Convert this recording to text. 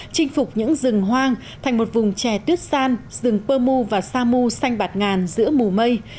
chinh phục những rừng hoang thành một vùng trẻ tuyết san rừng pơ mu và sa mu xanh bạt ngàn giữa mù mây